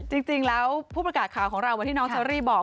จริงแล้วผู้ประกาศข่าวของเราวันที่น้องเชอรี่บอก